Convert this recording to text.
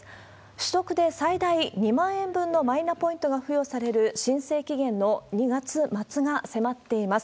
取得で最大２万円分のマイナポイントが付与される申請期限の２月末が迫っています。